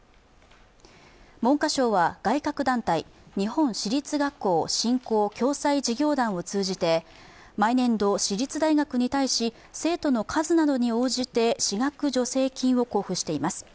文科省は外郭団体日本私立学校振興・共済事業団を通じて毎年度、私立大学に対し生徒数などに応じて私学助成金を交付しています。